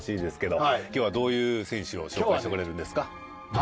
今日はどういう選手を紹介してくれるんですか？